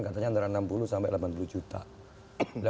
katanya antara enam puluh sampai delapan puluh juta